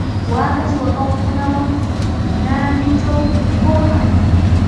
Waaka suqakuqkunawan naanitraw tinkurqaa.